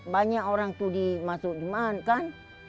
banyak orang itu dihantar hari jumaat kan